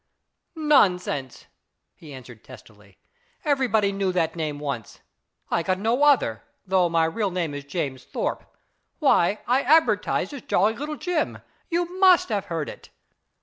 " Nonsense !" he answered testily. <c Every body knew that name once. I got no other, though my real name is James Thorpe. Why, I advertised as Jolly Little Jim. You must have heard it."